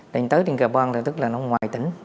lên tới trên cờ bơn là tức là nó ngoài tỉnh